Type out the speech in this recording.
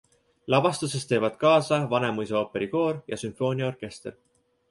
Lavastuses teevad kaasa Vanemuise ooperikoor ja sümfooniaorkester.